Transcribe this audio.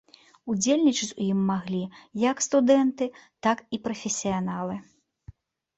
Удзельнічаць у ім маглі як студэнты, так і прафесіяналы.